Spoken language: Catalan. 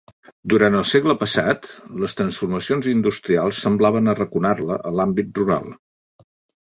Durant el segle passat, les transformacions industrials semblaven arraconar-la a l’àmbit rural.